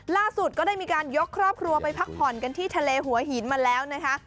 ล่าสุดก็ได้มีการยกครอบครัวไปพักผ่อนกันที่ทะเลหัวหินมาแล้วนะคะ